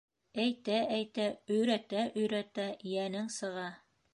Әйтә-әйтә, өйрәтә-өйрәтә йәнең сыға.